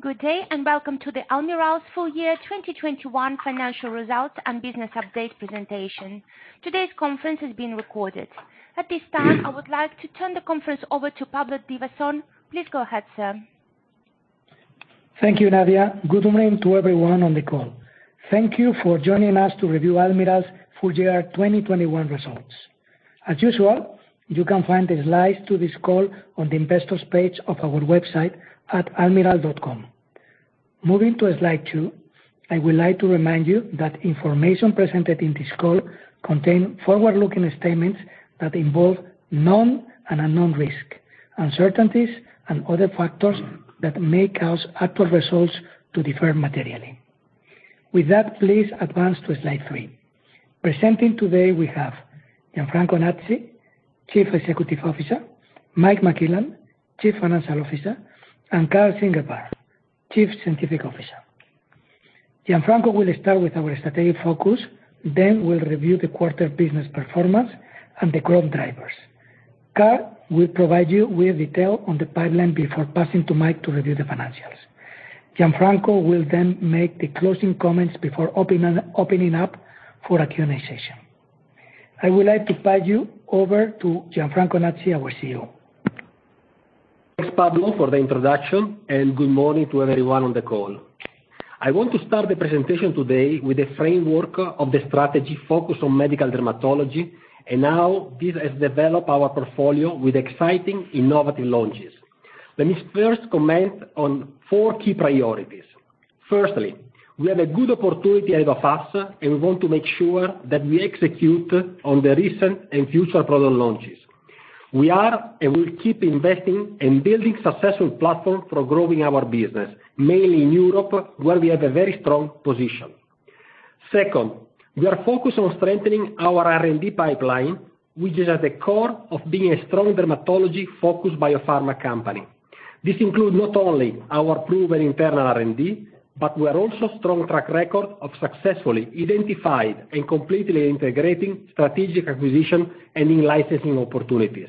Good day, and welcome to Almirall's full year 2021 financial results and business update presentation. Today's conference is being recorded. At this time, I would like to turn the conference over to Pablo Divasson. Please go ahead, sir. Thank you, Nadia. Good morning to everyone on the call. Thank you for joining us to review Almirall's full year 2021 results. As usual, you can find the slides to this call on the investor's page of our website at almirall.com. Moving to slide 2, I would like to remind you that information presented in this call contain forward-looking statements that involve known and unknown risk, uncertainties and other factors that may cause actual results to differ materially. With that, please advance to slide 3. Presenting today we have Gianfranco Nazzi, Chief Executive Officer, Mike McClellan, Chief Financial Officer, and Karl Ziegelbauer, Chief Scientific Officer. Gianfranco will start with our strategic focus, then we'll review the quarter business performance and the growth drivers. Karl will provide you with detail on the pipeline before passing to Mike to review the financials. Gianfranco will then make the closing comments before opening up for a Q&A session. I would like to pass you over to Gianfranco Nazzi, our CEO. Thanks, Pablo, for the introduction, and good morning to everyone on the call. I want to start the presentation today with the framework of the strategy focused on medical dermatology and how this has developed our portfolio with exciting innovative launches. Let me first comment on four key priorities. Firstly, we have a good opportunity ahead of us, and we want to make sure that we execute on the recent and future product launches. We are, and we'll keep investing in building successful platform for growing our business, mainly in Europe, where we have a very strong position. Second, we are focused on strengthening our R&D pipeline, which is at the core of being a strong dermatology-focused biopharma company. This includes not only our proven internal R&D, but we're also strong track record of successfully identifying and completely integrating strategic acquisition and in-licensing opportunities.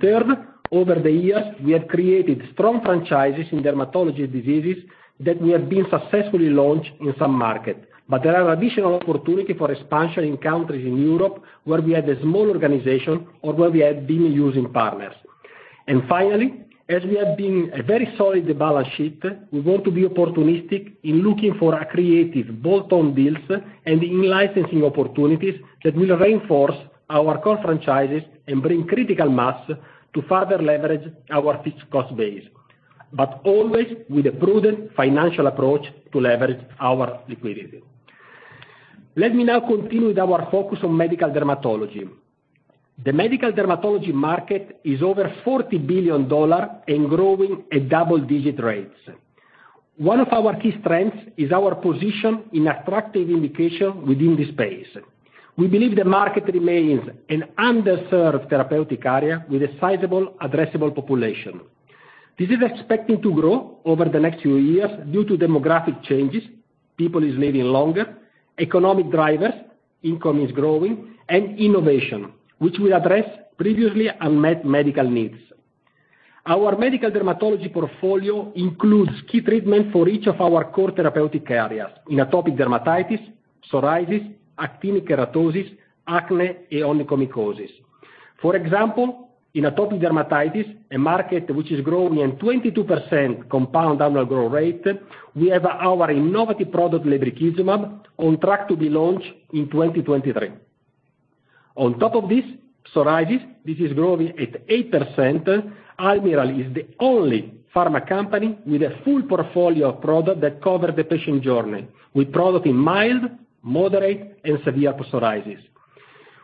Third, over the years, we have created strong franchises in dermatology diseases that we have been successfully launched in some market. There are additional opportunity for expansion in countries in Europe where we have a small organization or where we have been using partners. Finally, as we have been a very solid balance sheet, we want to be opportunistic in looking for a creative bolt-on deals and in-licensing opportunities that will reinforce our core franchises and bring critical mass to further leverage our fixed cost base, but always with a prudent financial approach to leverage our liquidity. Let me now continue with our focus on medical dermatology. The medical dermatology market is over $40 billion and growing at double-digit rates. One of our key strengths is our position in attractive indication within the space. We believe the market remains an underserved therapeutic area with a sizable addressable population. This is expected to grow over the next few years due to demographic changes, people are living longer, economic drivers, income is growing, and innovation, which will address previously unmet medical needs. Our medical dermatology portfolio includes key treatment for each of our core therapeutic areas, in atopic dermatitis, psoriasis, actinic keratosis, acne, and onychomycosis. For example, in atopic dermatitis, a market which is growing at 22% compound annual growth rate, we have our innovative product, lebrikizumab, on track to be launched in 2023. On top of this, psoriasis, this is growing at 8%, Almirall is the only pharma company with a full portfolio of product that cover the patient journey, with product in mild, moderate, and severe psoriasis.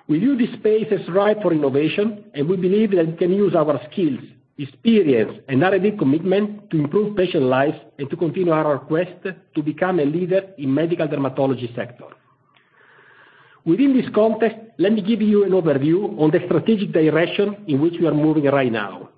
We view this space as ripe for innovation, and we believe that we can use our skills, experience, and R&D commitment to improve patient lives and to continue our quest to become a leader in medical dermatology sector. Within this context, let me give you an overview on the strategic direction in which we are moving right now.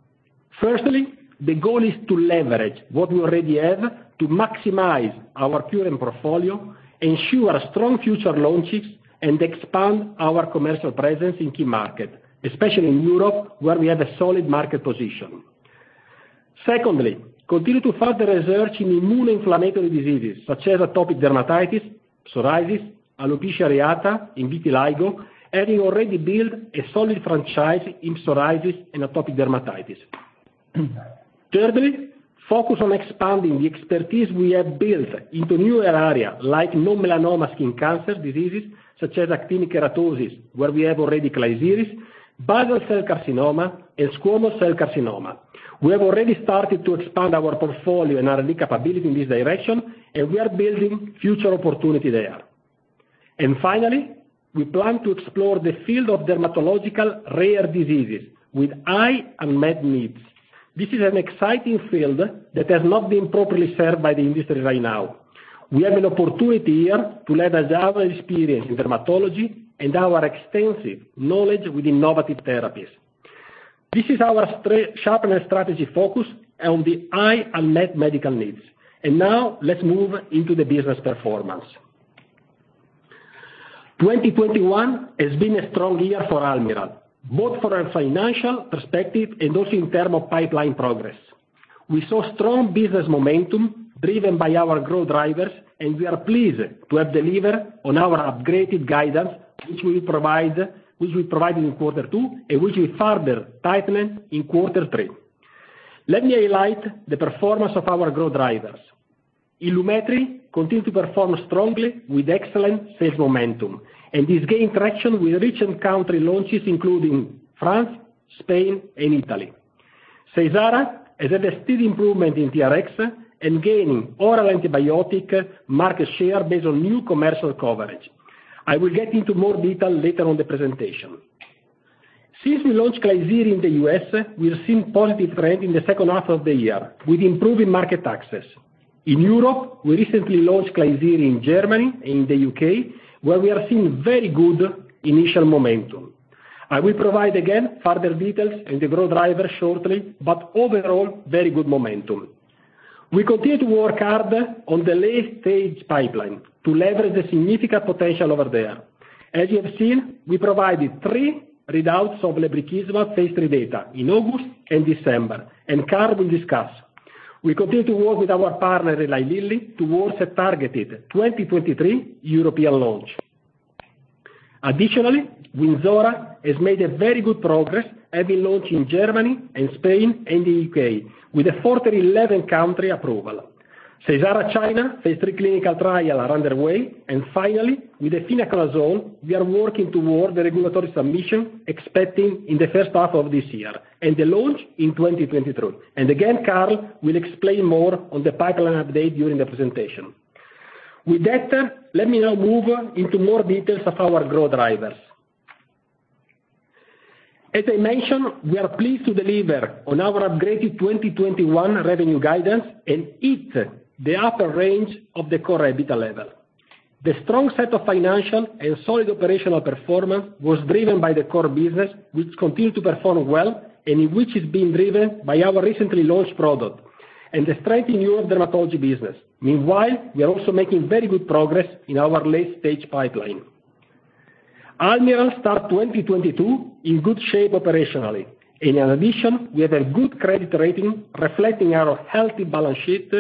Firstly, the goal is to leverage what we already have to maximize our current portfolio, ensure strong future launches, and expand our commercial presence in key market, especially in Europe, where we have a solid market position. Secondly, continue to further research in immune inflammatory diseases such as atopic dermatitis, psoriasis, alopecia areata, and vitiligo, having already built a solid franchise in psoriasis and atopic dermatitis. Thirdly, focus on expanding the expertise we have built into newer area like non-melanoma skin cancers diseases such as actinic keratosis, where we have already Klisyri, basal cell carcinoma and squamous cell carcinoma. We have already started to expand our portfolio and R&D capability in this direction, and we are building future opportunity there. Finally, we plan to explore the field of dermatological rare diseases with high unmet needs. This is an exciting field that has not been properly served by the industry right now. We have an opportunity here to let us have experience in dermatology and our extensive knowledge with innovative therapies. This is our sharpness strategy focus on the high unmet medical needs. Now let's move into the business performance. 2021 has been a strong year for Almirall, both from a financial perspective and also in terms of pipeline progress. We saw strong business momentum driven by our growth drivers, and we are pleased to have delivered on our upgraded guidance, which we provided in quarter two and which we further tightened in quarter three. Let me highlight the performance of our growth drivers. Ilumetri continued to perform strongly with excellent sales momentum, and is gaining traction with recent country launches including France, Spain and Italy. Seysara has had a steady improvement in TRXs and gaining oral antibiotic market share based on new commercial coverage. I will get into more detail later on the presentation. Since we launched Klisyri in the U.S., we have seen positive trend in the second half of the year with improving market access. In Europe, we recently launched Klisyri in Germany and the U.K., where we are seeing very good initial momentum. I will provide again further details in the growth driver shortly, but overall, very good momentum. We continue to work hard on the late-stage pipeline to leverage the significant potential over there. As you have seen, we provided three readouts of lebrikizumab phase III data in August and December, and Karl will discuss. We continue to work with our partner, Eli Lilly, towards a targeted 2023 European launch. Additionally, Wynzora has made a very good progress, having launched in Germany and Spain and the U.K., with a further 11-country approval. Seysara China phase III clinical trial are underway. Finally, with efinaconazole, we are working toward the regulatory submission expecting in the first half of this year, and the launch in 2023. Again, Karl will explain more on the pipeline update during the presentation. With that, let me now move into more details of our growth drivers. As I mentioned, we are pleased to deliver on our upgraded 2021 revenue guidance and hit the upper range of the Core EBITDA level. The strong set of financial and solid operational performance was driven by the core business, which continued to perform well, and which is being driven by our recently launched product and the strength in Europe dermatology business. Meanwhile, we are also making very good progress in our late-stage pipeline. Almirall starts 2022 in good shape operationally. In addition, we have a good credit rating reflecting our healthy balance sheet,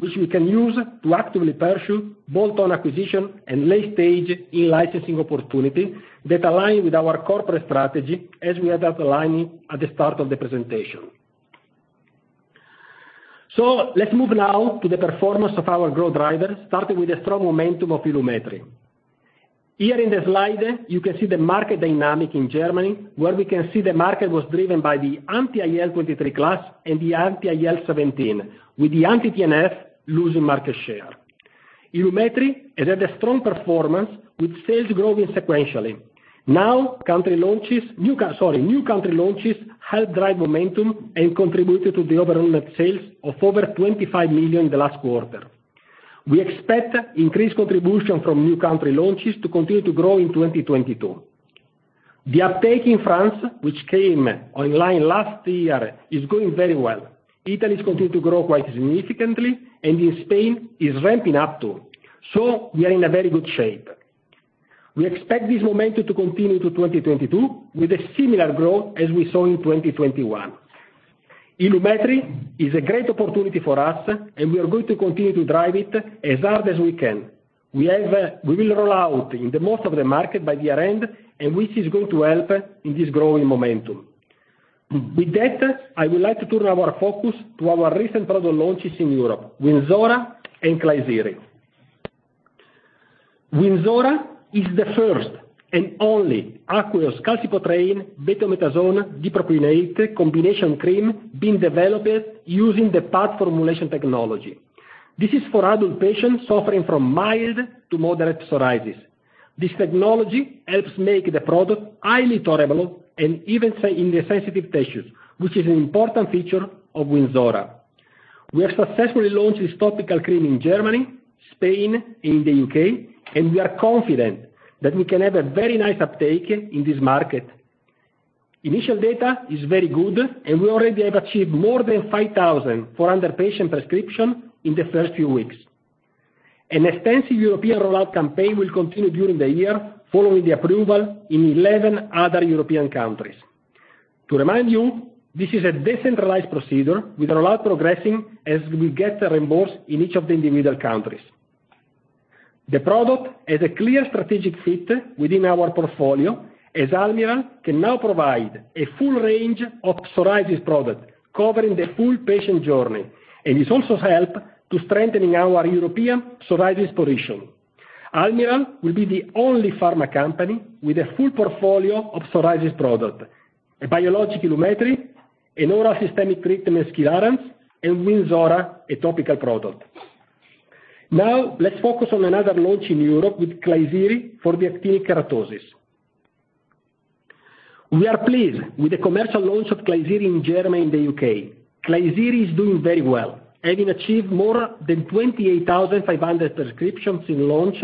which we can use to actively pursue bolt-on acquisition and late-stage in-licensing opportunity that align with our corporate strategy as we have outlined at the start of the presentation. Let's move now to the performance of our growth drivers, starting with the strong momentum of Ilumetri. Here in the slide, you can see the market dynamic in Germany, where we can see the market was driven by the anti-IL-23 class and the anti-IL-17, with the anti-TNF losing market share. Ilumetri has had a strong performance with sales growing sequentially. Sorry, new country launches help drive momentum and contributed to the overall net sales of over 25 million in the last quarter. We expect increased contribution from new country launches to continue to grow in 2022. The uptake in France, which came online last year, is going very well. Italy's continued to grow quite significantly, and in Spain it's ramping up too. We are in a very good shape. We expect this momentum to continue to 2022 with a similar growth as we saw in 2021. Ilumetri is a great opportunity for us, and we are going to continue to drive it as hard as we can. We will roll out in most of the market by year-end, which is going to help in this growing momentum. With that, I would like to turn our focus to our recent product launches in Europe, Wynzora and Klisyri. Wynzora is the first and only aqueous calcipotriene, betamethasone dipropionate combination cream being developed using the PAT formulation technology. This is for adult patients suffering from mild to moderate psoriasis. This technology helps make the product highly tolerable and even safe in the sensitive tissues, which is an important feature of Wynzora. We have successfully launched this topical cream in Germany, Spain, and the U.K., and we are confident that we can have a very nice uptake in this market. Initial data is very good, and we already have achieved more than 5,400 patient prescriptions in the first few weeks. An extensive European rollout campaign will continue during the year, following the approval in 11 other European countries. To remind you, this is a decentralized procedure with rollout progressing as we get a reimbursement in each of the individual countries. The product has a clear strategic fit within our portfolio, as Almirall can now provide a full range of psoriasis products covering the full patient journey, and it also helps to strengthen our European psoriasis position. Almirall will be the only pharma company with a full portfolio of psoriasis product, a biologic Ilumetri, an oral systemic treatment, Skilarence, and Wynzora, a topical product. Now, let's focus on another launch in Europe with Klisyri for the actinic keratosis. We are pleased with the commercial launch of Klisyri in Germany and the U.K. Klisyri is doing very well, having achieved more than 28,500 prescriptions in launch,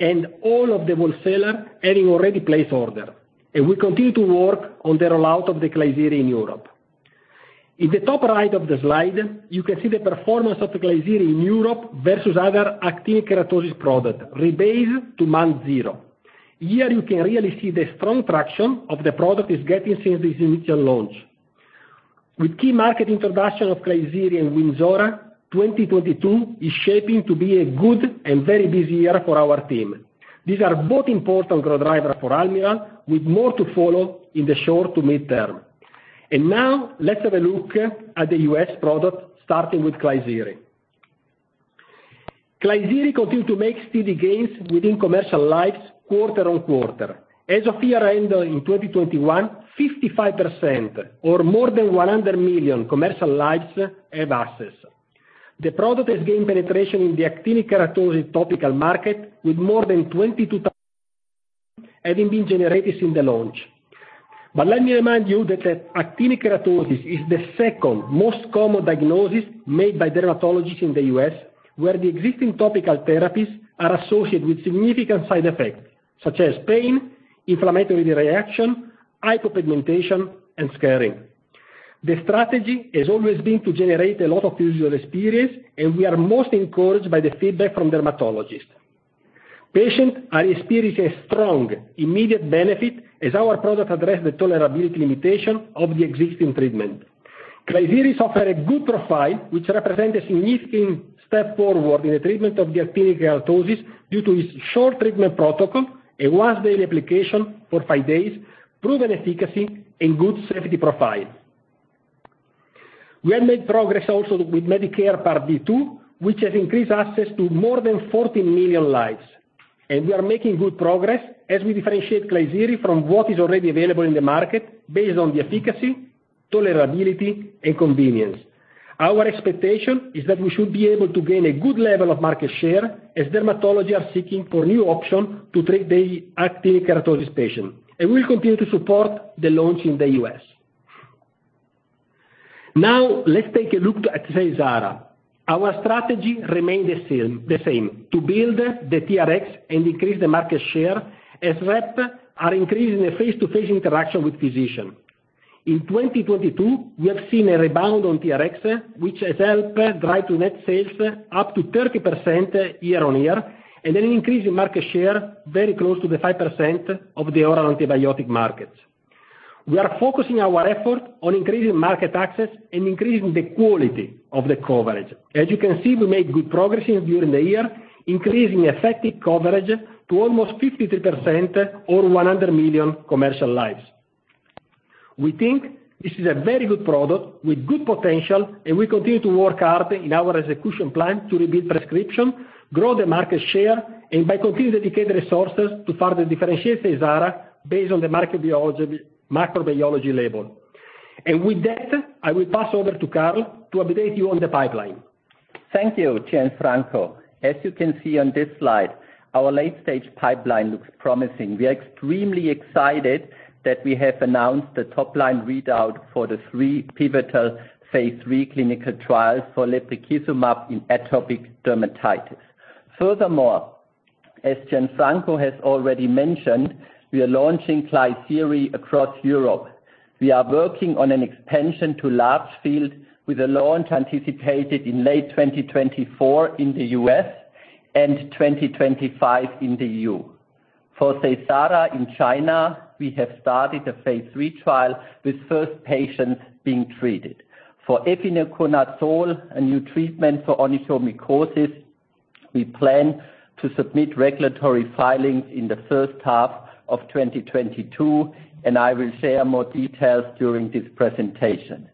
and all of the wholesaler having already placed order. We continue to work on the rollout of the Klisyri in Europe. In the top right of the slide, you can see the performance of the Klisyri in Europe versus other actinic keratosis product relative to month zero. Here you can really see the strong traction of the product is getting since its initial launch. With key market introduction of Klisyri and Wynzora, 2022 is shaping to be a good and very busy year for our team. These are both important growth driver for Almirall, with more to follow in the short to mid-term. Now let's have a look at the U.S. product, starting with Klisyri. Klisyri continue to make steady gains within commercial lives quarter-on-quarter. As of year-end in 2021, 55% or more than $100 million commercial lives have access. The product has gained penetration in the actinic keratosis topical market with more than $22 million having been generated since the launch. Let me remind you that the actinic keratosis is the second most common diagnosis made by dermatologists in the U.S., where the existing topical therapies are associated with significant side effects such as pain, inflammatory reaction, hypopigmentation, and scarring. The strategy has always been to generate a lot of real-world experience, and we are most encouraged by the feedback from dermatologists. Patients are experiencing strong immediate benefit as our product addresses the tolerability limitation of the existing treatment. Klisyri offers a good profile which represents a significant step forward in the treatment of actinic keratosis due to its short treatment protocol, a once-daily application for 5 days, proven efficacy, and good safety profile. We have made progress also with Medicare Part D, too, which has increased access to more than 14 million lives. We are making good progress as we differentiate Klisyri from what is already available in the market based on the efficacy, tolerability, and convenience. Our expectation is that we should be able to gain a good level of market share as dermatologists are seeking new options to treat the actinic keratosis patients, and we'll continue to support the launch in the U.S. Now let's take a look at Seysara. Our strategy remains the same to build the TRx and increase the market share as reps are increasing the face-to-face interaction with physicians. In 2022, we have seen a rebound on TRx, which has helped drive net sales up 30% year-on-year, and an increase in market share very close to the 5% of the oral antibiotic markets. We are focusing our efforts on increasing market access and increasing the quality of the coverage. As you can see, we made good progression during the year, increasing effective coverage to almost 53% or 100 million commercial lives. We think this is a very good product with good potential, and we continue to work hard in our execution plan to rebuild prescription, grow the market share, and continue to dedicate resources to further differentiate Seysara based on the microbiology label. With that, I will pass over to Karl to update you on the pipeline. Thank you, Gianfranco. As you can see on this slide, our late-stage pipeline looks promising. We are extremely excited that we have announced the top-line readout for the 3 pivotal phase III clinical trials for lebrikizumab in atopic dermatitis. Furthermore, as Gianfranco has already mentioned, we are launching Klisyri across Europe. We are working on an expansion to large field with a launch anticipated in late 2024 in the U.S. and 2025 in the EU. For Seysara in China, we have started a phase III trial with first patients being treated. For efinaconazole, a new treatment for onychomycosis, we plan to submit regulatory filings in the first half of 2022, and I will share more details during this presentation.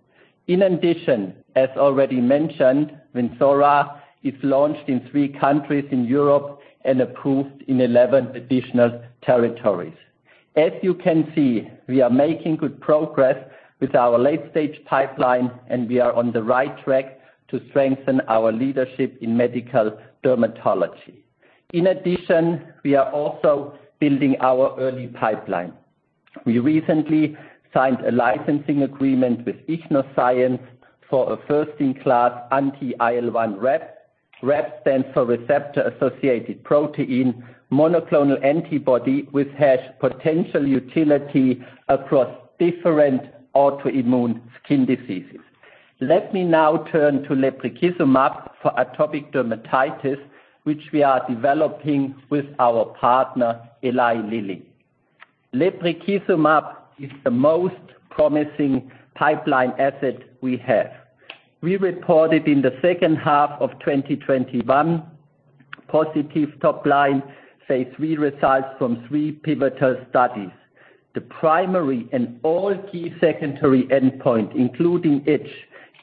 In addition, as already mentioned, Wynzora is launched in 3 countries in Europe and approved in 11 additional territories. As you can see, we are making good progress with our late-stage pipeline, and we are on the right track to strengthen our leadership in medical dermatology. In addition, we are also building our early pipeline. We recently signed a licensing agreement with Ichnos Sciences for a first-in-class anti-IL-1RAP. RAP stands for receptor accessory protein, monoclonal antibody, which has potential utility across different autoimmune skin diseases. Let me now turn to lebrikizumab for atopic dermatitis, which we are developing with our partner, Eli Lilly. Lebrikizumab is the most promising pipeline asset we have. We reported in the second half of 2021 positive top-line phase III results from 3 pivotal studies. The primary and all key secondary endpoint, including itch,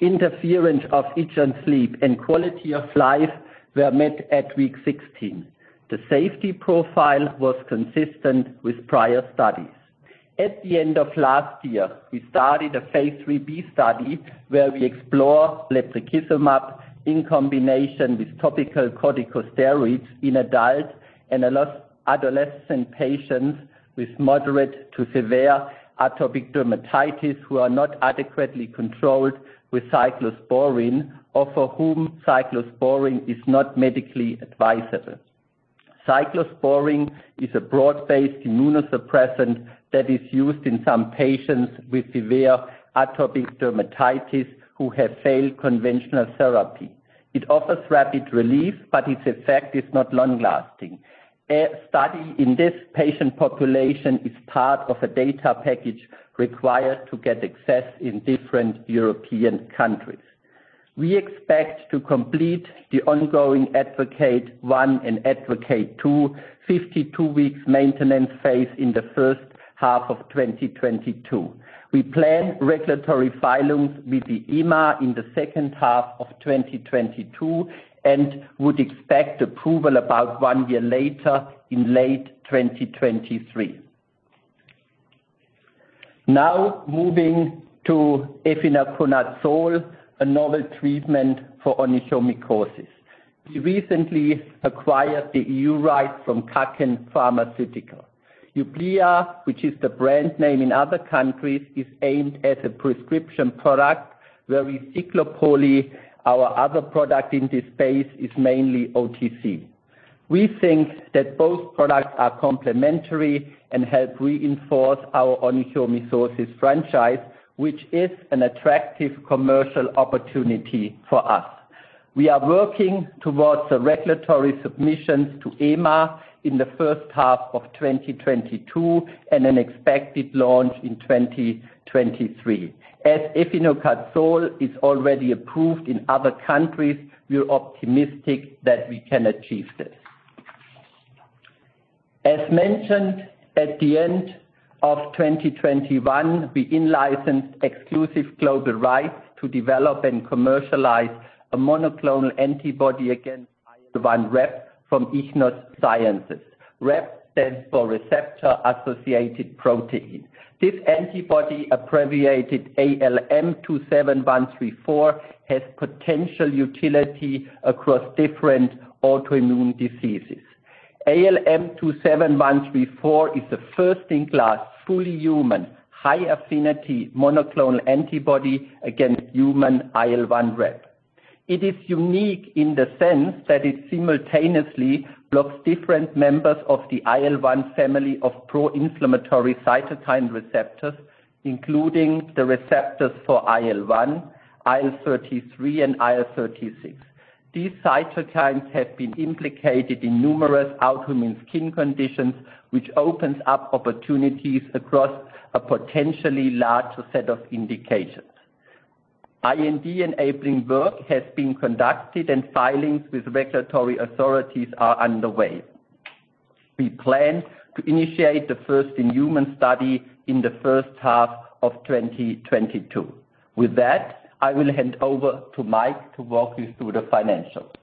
interference of itch and sleep, and quality of life, were met at week 16. The safety profile was consistent with prior studies. At the end of last year, we started a phase IIIb study where we explore lebrikizumab in combination with topical corticosteroids in adults and adolescent patients with moderate-to-severe atopic dermatitis who are not adequately controlled with cyclosporine or for whom cyclosporine is not medically advisable. Cyclosporine is a broad-based immunosuppressant that is used in some patients with severe atopic dermatitis who have failed conventional therapy. It offers rapid relief, but its effect is not long-lasting. A study in this patient population is part of a data package required to get access in different European countries. We expect to complete the ongoing ADvocate 1 and ADvocate 2 52-week maintenance phase in the first half of 2022. We plan regulatory filings with the EMA in the second half of 2022, and would expect approval about one year later in late 2023. Now, moving to efinaconazole, a novel treatment for onychomycosis. We recently acquired the EU rights from Kaken Pharmaceutical. Jublia, which is the brand name in other countries, is aimed at a prescription product where Ciclopoli, our other product in this space, is mainly OTC. We think that both products are complementary and help reinforce our onychomycosis franchise, which is an attractive commercial opportunity for us. We are working towards the regulatory submissions to EMA in the first half of 2022 and an expected launch in 2023. As efinaconazole is already approved in other countries, we are optimistic that we can achieve this. As mentioned at the end of 2021, we in-licensed exclusive global rights to develop and commercialize a monoclonal antibody against IL-1RAP from Ichnos Sciences. RAP stands for receptor associated protein. This antibody, abbreviated ALM-27134, has potential utility across different autoimmune diseases. ALM-27134 is a first-in-class, fully human, high-affinity, monoclonal antibody against human IL-1RAP. It is unique in the sense that it simultaneously blocks different members of the IL-1 family of pro-inflammatory cytokine receptors, including the receptors for IL-1, IL-33 and IL-36. These cytokines have been implicated in numerous autoimmune skin conditions, which opens up opportunities across a potentially larger set of indications. IND-enabling work has been conducted and filings with regulatory authorities are underway. We plan to initiate the first-in-human study in the first half of 2022. With that, I will hand over to Mike to walk you through the financials.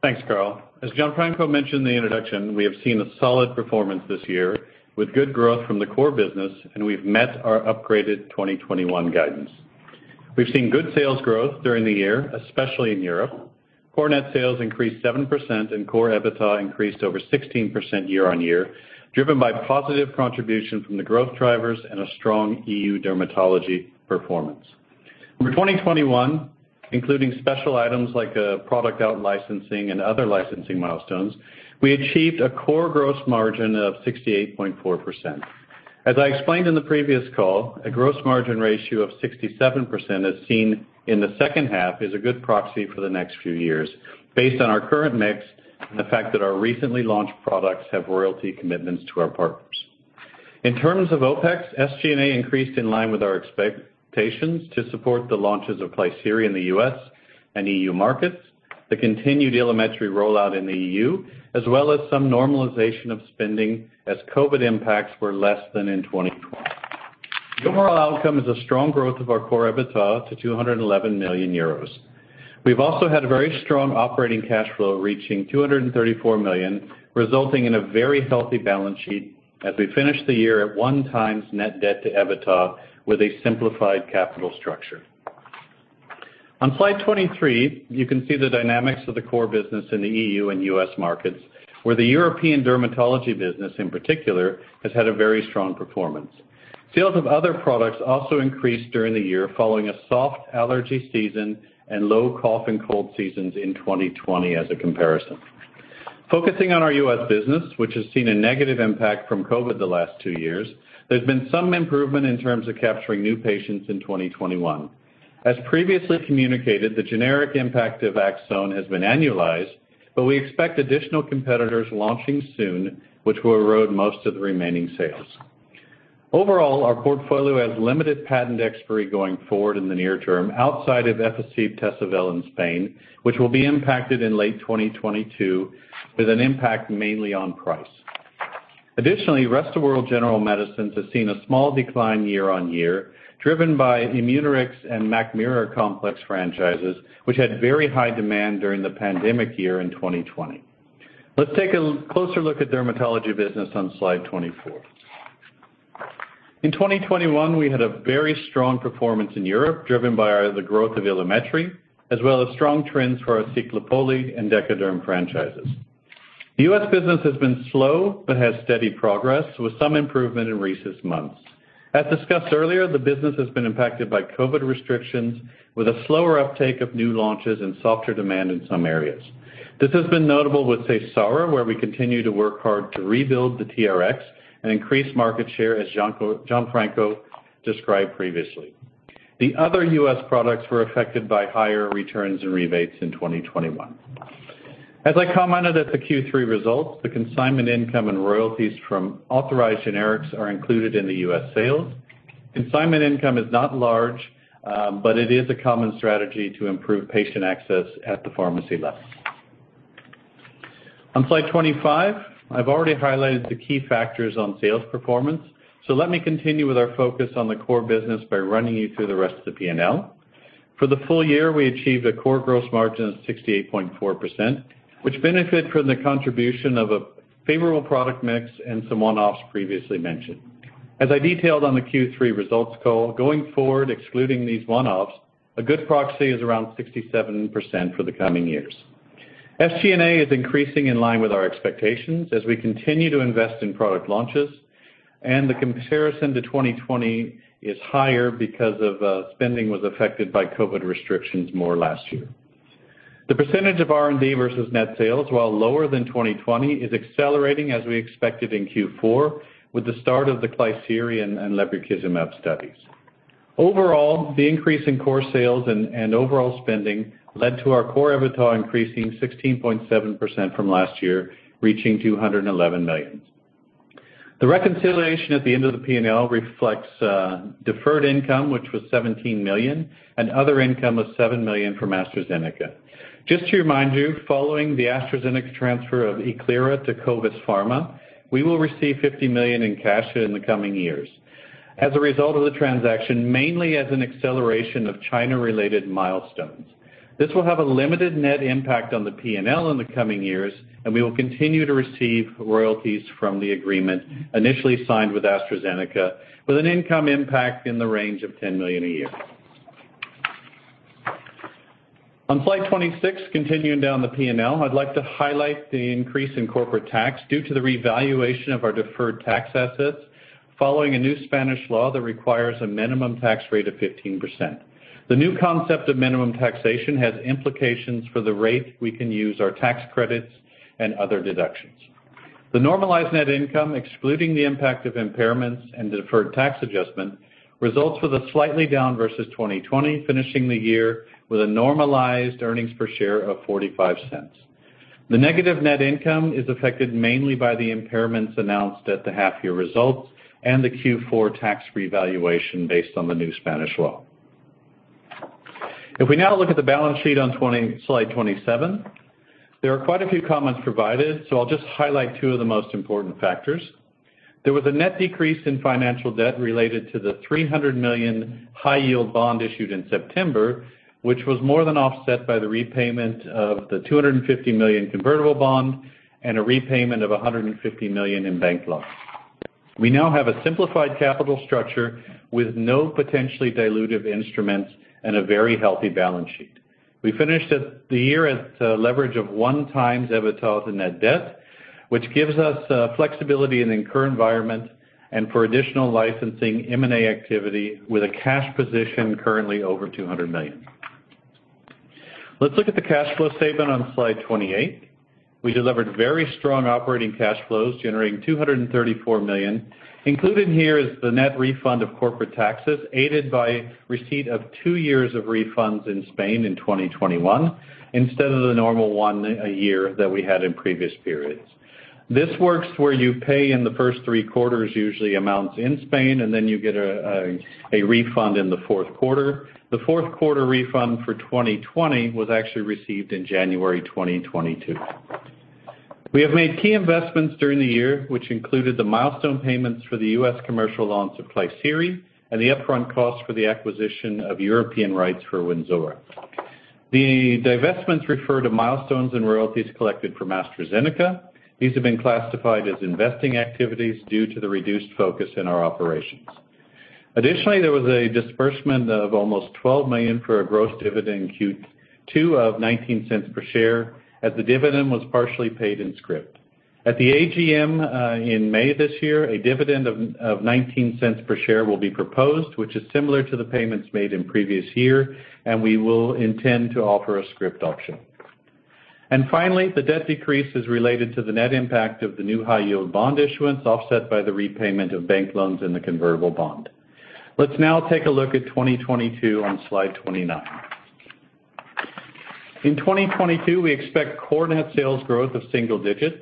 Thanks, Karl. As Gianfranco mentioned in the introduction, we have seen a solid performance this year with good growth from the core business, and we've met our upgraded 2021 guidance. We've seen good sales growth during the year, especially in Europe. Core net sales increased 7% and core EBITDA increased over 16% year-on-year, driven by positive contribution from the growth drivers and a strong EU dermatology performance. For 2021, including special items like product out licensing and other licensing milestones, we achieved a core gross margin of 68.4%. As I explained in the previous call, a gross margin ratio of 67% as seen in the second half is a good proxy for the next few years based on our current mix and the fact that our recently launched products have royalty commitments to our partners. In terms of OpEx, SG&A increased in line with our expectations to support the launches of Klisyri in the U.S. and EU markets, the continued Ilumetri rollout in the EU, as well as some normalization of spending as COVID impacts were less than in 2020. The overall outcome is a strong growth of our core EBITDA to 211 million euros. We've also had a very strong operating cash flow reaching 234 million, resulting in a very healthy balance sheet as we finish the year at 1x net debt to EBITDA with a simplified capital structure. On slide 23, you can see the dynamics of the core business in the EU and U.S. markets, where the European dermatology business in particular has had a very strong performance. Sales of other products also increased during the year following a soft allergy season and low cough and cold seasons in 2020 as a comparison. Focusing on our U.S. business, which has seen a negative impact from COVID the last two years, there's been some improvement in terms of capturing new patients in 2021. As previously communicated, the generic impact of Aczone has been annualized, but we expect additional competitors launching soon, which will erode most of the remaining sales. Overall, our portfolio has limited patent expiry going forward in the near term outside of Efficort, Tesavel in Spain, which will be impacted in late 2022 with an impact mainly on price. Additionally, Rest of World General Medicines has seen a small decline year-on-year, driven by Imunorix and Macmiror complex franchises, which had very high demand during the pandemic year in 2020. Let's take a closer look at dermatology business on slide 24. In 2021, we had a very strong performance in Europe, driven by the growth of Ilumetri, as well as strong trends for our Ciclopoli and Decoderm franchises. The U.S. business has been slow but has steady progress with some improvement in recent months. As discussed earlier, the business has been impacted by COVID restrictions with a slower uptake of new launches and softer demand in some areas. This has been notable with Seysara, where we continue to work hard to rebuild the TRx and increase market share, as Gianfranco described previously. The other U.S. products were affected by higher returns and rebates in 2021. As I commented at the Q3 results, the consignment income and royalties from authorized generics are included in the U.S. sales. Consignment income is not large, but it is a common strategy to improve patient access at the pharmacy level. On slide 25, I've already highlighted the key factors on sales performance. Let me continue with our focus on the core business by running you through the rest of the P&L. For the full year, we achieved a core gross margin of 68.4%, which benefit from the contribution of a favorable product mix and some one-offs previously mentioned. As I detailed on the Q3 results call, going forward, excluding these one-offs, a good proxy is around 67% for the coming years. SG&A is increasing in line with our expectations as we continue to invest in product launches, and the comparison to 2020 is higher because of, spending was affected by COVID restrictions more last year. The percentage of R&D versus net sales, while lower than 2020, is accelerating as we expected in Q4 with the start of the Klisyri and lebrikizumab studies. Overall, the increase in core sales and overall spending led to our Core EBITDA increasing 16.7% from last year, reaching 211 million. The reconciliation at the end of the P&L reflects deferred income, which was EUR 17 million, and other income of EUR 7 million from AstraZeneca. Just to remind you, following the AstraZeneca transfer of Eklira to Covis Pharma, we will receive 50 million in cash in the coming years as a result of the transaction, mainly as an acceleration of China-related milestones. This will have a limited net impact on the P&L in the coming years, and we will continue to receive royalties from the agreement initially signed with AstraZeneca with an income impact in the range of 10 million a year. On slide 26, continuing down the P&L, I'd like to highlight the increase in corporate tax due to the revaluation of our deferred tax assets following a new Spanish law that requires a minimum tax rate of 15%. The new concept of minimum taxation has implications for the rate we can use our tax credits and other deductions. The normalized net income, excluding the impact of impairments and the deferred tax adjustment, results with a slightly down versus 2020, finishing the year with a normalized earnings per share of 0.45. The negative net income is affected mainly by the impairments announced at the half-year results and the Q4 tax revaluation based on the new Spanish law. If we now look at the balance sheet on slide 27, there are quite a few comments provided, so I'll just highlight two of the most important factors. There was a net decrease in financial debt related to the 300 million high-yield bond issued in September, which was more than offset by the repayment of the 250 million convertible bond and a repayment of 150 million in bank loans. We now have a simplified capital structure with no potentially dilutive instruments and a very healthy balance sheet. We finished the year at a leverage of 1x EBITDA in net debt, which gives us flexibility in the current environment and for additional licensing M&A activity with a cash position currently over 200 million. Let's look at the cash flow statement on slide 28. We delivered very strong operating cash flows, generating 234 million. Included here is the net refund of corporate taxes, aided by receipt of two years of refunds in Spain in 2021 instead of the normal one a year that we had in previous periods. This works where you pay in the first three quarters, usually amounts in Spain, and then you get a refund in the fourth quarter. The fourth quarter refund for 2020 was actually received in January 2022. We have made key investments during the year, which included the milestone payments for the U.S. commercial launch of Klisyri and the upfront cost for the acquisition of European rights for Wynzora. The divestments refer to milestones and royalties collected from AstraZeneca. These have been classified as investing activities due to the reduced focus in our operations. Additionally, there was a disbursement of almost 12 million for a gross dividend in Q2 of 0.19 per share as the dividend was partially paid in scrip. At the AGM in May this year, a dividend of 0.19 per share will be proposed, which is similar to the payments made in previous year, and we will intend to offer a scrip option. Finally, the debt decrease is related to the net impact of the new high-yield bond issuance offset by the repayment of bank loans in the convertible bond. Let's now take a look at 2022 on slide 29. In 2022, we expect core net sales growth of single digits.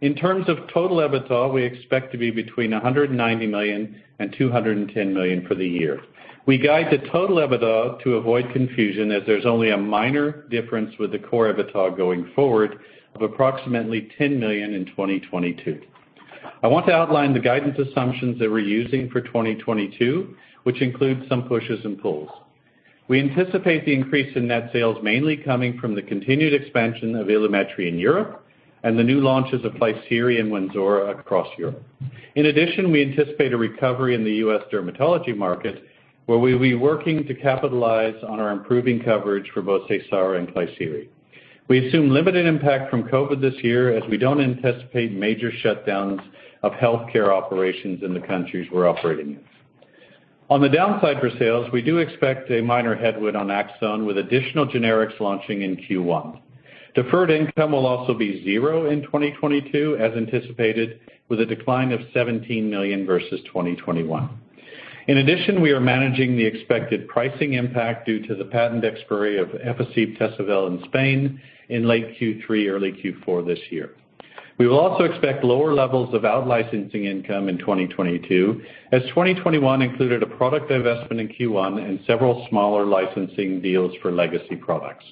In terms of total EBITDA, we expect to be between 190 million and 210 million for the year. We guide the total EBITDA to avoid confusion as there's only a minor difference with the core EBITDA going forward of approximately 10 million in 2022. I want to outline the guidance assumptions that we're using for 2022, which includes some pushes and pulls. We anticipate the increase in net sales mainly coming from the continued expansion of Ilumetri in Europe and the new launches of Klisyri and Wynzora across Europe. In addition, we anticipate a recovery in the US dermatology market, where we'll be working to capitalize on our improving coverage for both Seysara and Klisyri. We assume limited impact from COVID this year as we don't anticipate major shutdowns of healthcare operations in the countries we're operating in. On the downside for sales, we do expect a minor headwind on Aczone with additional generics launching in Q1. Deferred income will also be zero in 2022 as anticipated, with a decline of 17 million versus 2021. In addition, we are managing the expected pricing impact due to the patent expiry of Efficort, Tesavel in Spain in late Q3, early Q4 this year. We will also expect lower levels of out licensing income in 2022 as 2021 included a product investment in Q1 and several smaller licensing deals for legacy products.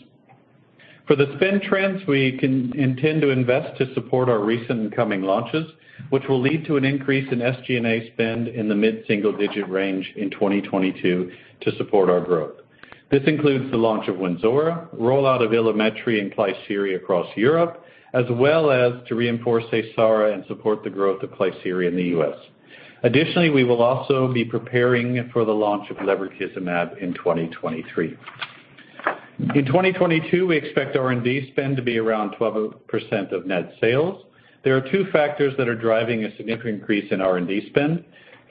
For the spend trends, we intend to invest to support our recent incoming launches, which will lead to an increase in SG&A spend in the mid-single digit range in 2022 to support our growth. This includes the launch of Wynzora, rollout of Ilumetri and Klisyri across Europe, as well as to reinforce Seysara and support the growth of Klisyri in the US. Additionally, we will also be preparing for the launch of lebrikizumab in 2023. In 2022, we expect R&D spend to be around 12% of net sales. There are two factors that are driving a significant increase in R&D spend.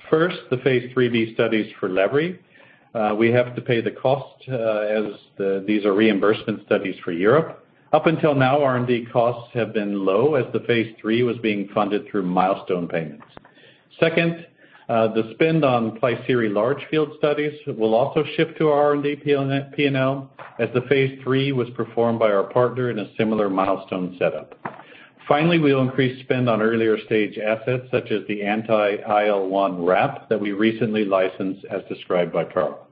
First, the phase III B studies for lebrikizumab. We have to pay the cost, these are reimbursement studies for Europe. Up until now, R&D costs have been low as the phase III was being funded through milestone payments. Second, the spend on Klisyri large field studies will also shift to R&D P&L, as the phase III was performed by our partner in a similar milestone setup. Finally, we'll increase spend on earlier stage assets such as the anti-IL-1RAP that we recently licensed as described by Karl.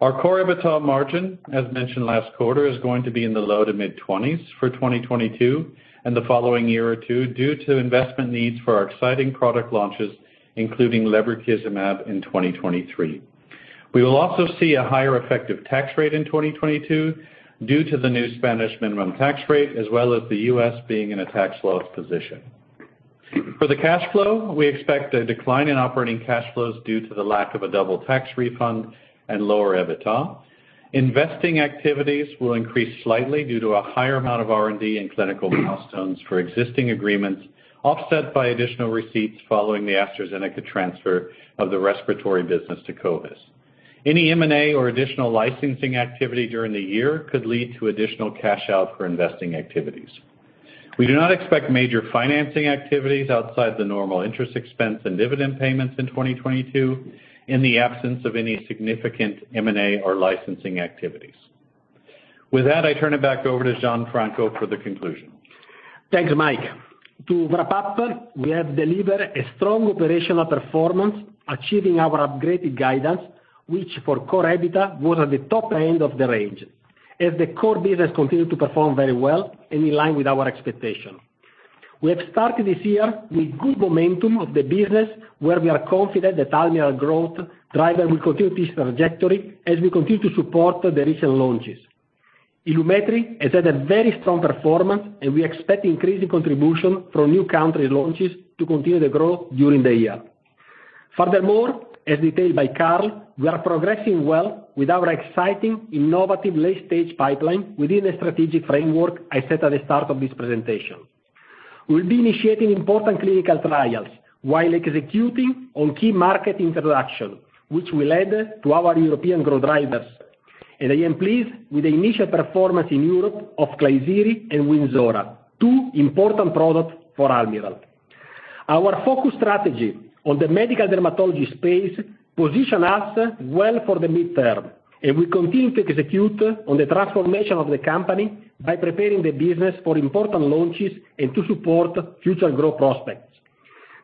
Our Core EBITDA margin, as mentioned last quarter, is going to be in the low- to mid-20s% for 2022 and the following year or two due to investment needs for our exciting product launches, including lebrikizumab in 2023. We will also see a higher effective tax rate in 2022 due to the new Spanish minimum tax rate, as well as the U.S. being in a tax loss position. For the cash flow, we expect a decline in operating cash flows due to the lack of a double tax refund and lower EBITDA. Investing activities will increase slightly due to a higher amount of R&D and clinical milestones for existing agreements, offset by additional receipts following the AstraZeneca transfer of the respiratory business to Covis. Any M&A or additional licensing activity during the year could lead to additional cash out for investing activities. We do not expect major financing activities outside the normal interest expense and dividend payments in 2022 in the absence of any significant M&A or licensing activities. With that, I turn it back over to Gianfranco for the conclusion. Thanks, Mike. To wrap up, we have delivered a strong operational performance, achieving our upgraded guidance, which for Core EBITDA was at the top end of the range, as the core business continued to perform very well and in line with our expectation. We have started this year with good momentum of the business, where we are confident that Almirall growth driver will continue this trajectory as we continue to support the recent launches. Ilumetri has had a very strong performance, and we expect increasing contribution from new country launches to continue the growth during the year. Furthermore, as detailed by Karl, we are progressing well with our exciting innovative late-stage pipeline within the strategic framework I set at the start of this presentation. We'll be initiating important clinical trials while executing on key market introduction, which will add to our European growth drivers. I am pleased with the initial performance in Europe of Klisyri and Wynzora, two important products for Almirall. Our focus strategy on the medical dermatology space position us well for the midterm, and we continue to execute on the transformation of the company by preparing the business for important launches and to support future growth prospects.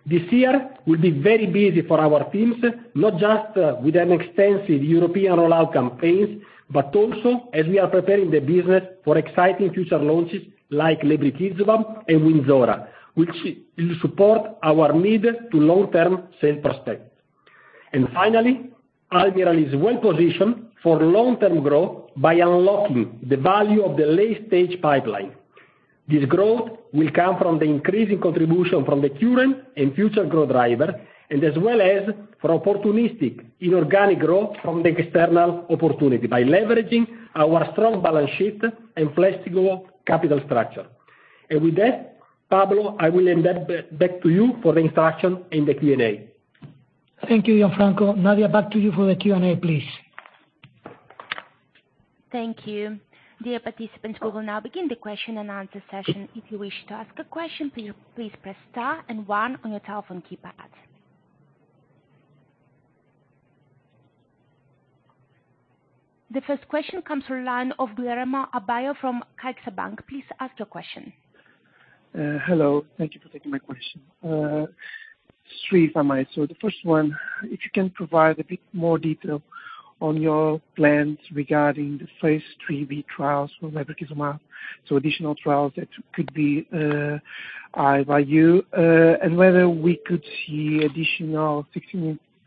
This year will be very busy for our teams, not just with an extensive European rollout campaigns, but also as we are preparing the business for exciting future launches like lebrikizumab and Wynzora, which will support our need to long-term sales prospects. Finally, Almirall is well positioned for long-term growth by unlocking the value of the late-stage pipeline. This growth will come from the increasing contribution from the current and future growth driver and as well as for opportunistic inorganic growth from the external opportunity by leveraging our strong balance sheet and flexible capital structure. With that, Pablo, I will hand back to you for the introduction and the Q&A. Thank you, Gianfranco. Nadia, back to you for the Q&A, please. Thank you. Dear participants, we will now begin the question and answer session. If you wish to ask a question, please press star and 1 on your telephone keypad. The first question comes from the line of Guillermo Abello from CaixaBank. Please ask your question. Hello. Thank you for taking my question. 3 for Mike. The first one, if you can provide a bit more detail on your plans regarding the phase III-B trials for lebrikizumab, additional trials that could be eyed by you, and whether we could see additional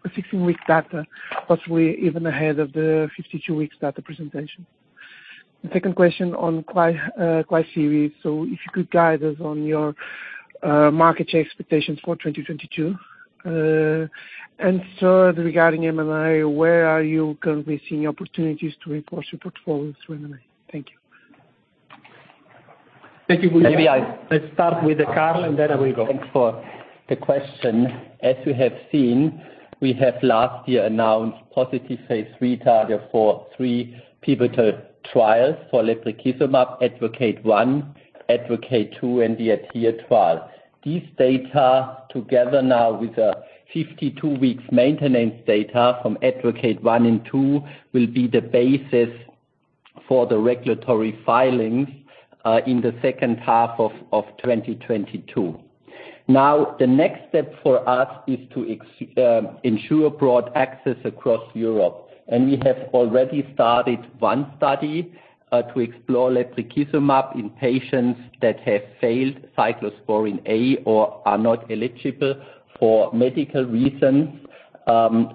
16-week data, possibly even ahead of the 52 weeks data presentation. The second question on Klisyri. If you could guide us on your market share expectations for 2022. Third, regarding M&A, where are you currently seeing opportunities to report your portfolio through M&A? Thank you. Thank you, Guillermo. Maybe I- Let's start with Karl, and then I will go. Thanks for the question. As you have seen, we have last year announced positive phase III data for three pivotal trials for lebrikizumab ADvocate 1, ADvocate 2, and the ADhere trial. These data together now with the 52 weeks maintenance data from ADvocate 1 and 2, will be the basis for the regulatory filings in the second half of 2022. Now, the next step for us is to ensure broad access across Europe. We have already started one study to explore lebrikizumab in patients that have failed cyclosporine A or are not eligible for medical reasons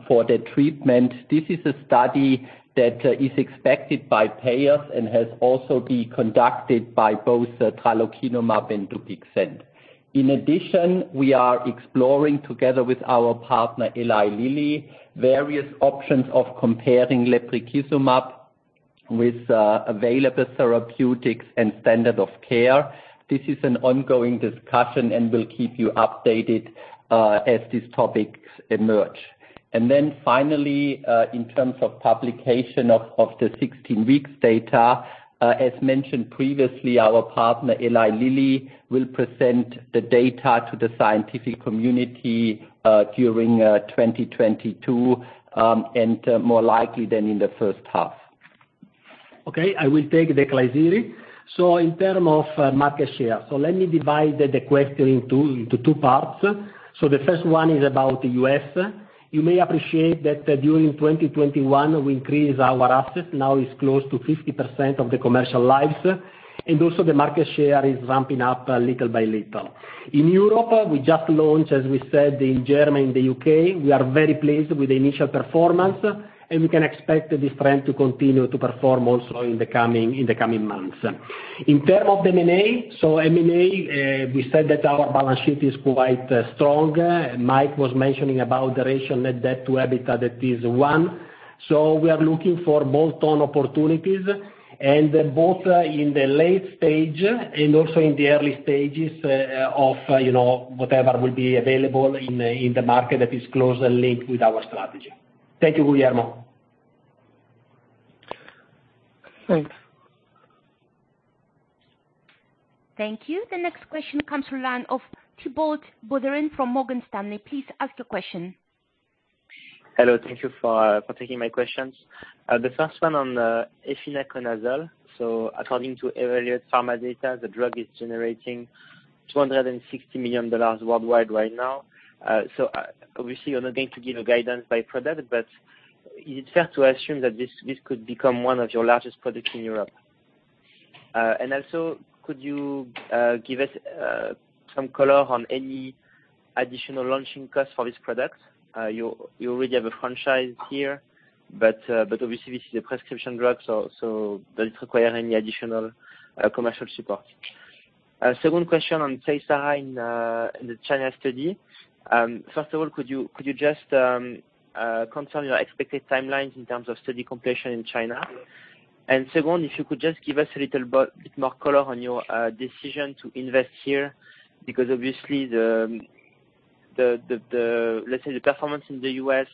for the treatment. This is a study that is expected by payers and has also be conducted by both tralokinumab and Dupixent. In addition, we are exploring together with our partner, Eli Lilly, various options of comparing lebrikizumab with available therapeutics and standard of care. This is an ongoing discussion, and we'll keep you updated as these topics emerge. Finally, in terms of publication of the 16 weeks data, as mentioned previously, our partner, Eli Lilly, will present the data to the scientific community during 2022, and more likely than in the first half. Okay, I will take the Klisyri. In terms of market share. Let me divide the question into two parts. The first one is about the U.S. You may appreciate that, during 2021, we increased our sales, now it is close to 50% of the commercial sales. Also the market share is ramping up little by little. In Europe, we just launched, as we said, in Germany and the U.K. We are very pleased with the initial performance, and we can expect this trend to continue to perform also in the coming months. In terms of M&A, M&A, we said that our balance sheet is quite strong. Mike was mentioning about the ratio net debt to EBITDA, that is 1. We are looking for bolt-on opportunities, and both in the late stage and also in the early stages of, you know, whatever will be available in the market that is closely linked with our strategy. Thank you, Guillermo. Thanks. Thank you. The next question comes from the line of Thibault Boutherin from Morgan Stanley. Please ask your question. Hello. Thank you for taking my questions. The first one on efinaconazole. According to Evaluate Pharma data, the drug is generating $260 million worldwide right now. Obviously, you're not going to give guidance by product, but is it fair to assume that this could become one of your largest products in Europe? And also, could you give us some color on any additional launching costs for this product? You already have a franchise here, but obviously this is a prescription drug, so does it require any additional commercial support? Second question on Seysara in the China study. First of all, could you just confirm your expected timelines in terms of study completion in China? Second, if you could just give us a little bit more color on your decision to invest here, because obviously, let's say, the performance in the U.S.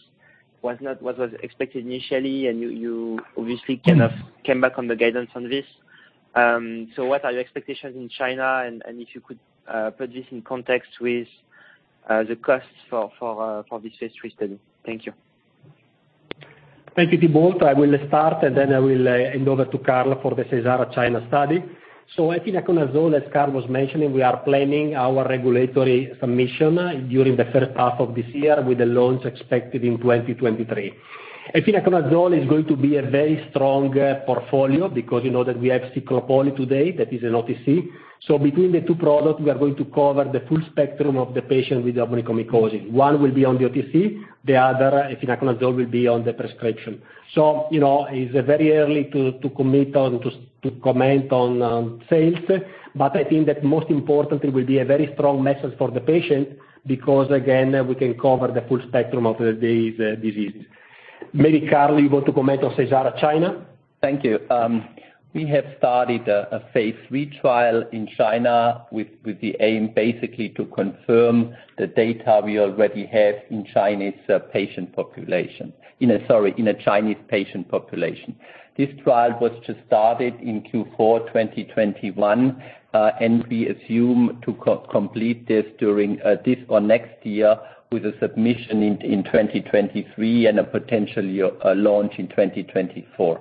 was not what was expected initially, and you obviously kind of came back on the guidance on this. What are your expectations in China, and if you could put this in context with the costs for this phase III study. Thank you. Thank you, Thibault. I will start, and then I will hand over to Karl for the Seysara China study. Efinaconazole, as Karl was mentioning, we are planning our regulatory submission during the first half of this year, with the launch expected in 2023. Efinaconazole is going to be a very strong portfolio because you know that we have Ciclopoli today, that is an OTC. Between the two products, we are going to cover the full spectrum of the patient with onychomycosis. One will be on the OTC, the other, efinaconazole, will be on the prescription. You know, it's very early to comment on sales, but I think that most importantly will be a very strong message for the patient, because again, we can cover the full spectrum of the disease. Maybe, Karl, you want to comment on Seysara China? Thank you. We have started a phase III trial in China with the aim basically to confirm the data we already have in a Chinese patient population. This trial was just started in Q4 2021, and we assume to complete this during this or next year with a submission in 2023 and a potential launch in 2024.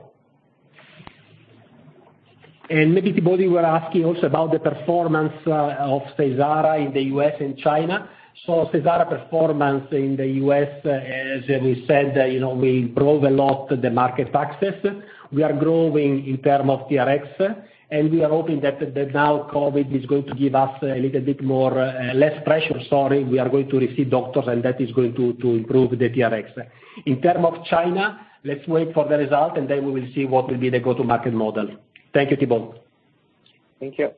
Maybe, Thibault, you were asking also about the performance of Seysara in the U.S. and China. Seysara performance in the U.S., as we said, you know, we improve a lot the market access. We are growing in term of TRx, and we are hoping that now COVID is going to give us a little bit more, less pressure, sorry. We are going to receive doctors and that is going to improve the TRx. In term of China, let's wait for the result and then we will see what will be the go-to-market model. Thank you, Thibault. Thank you.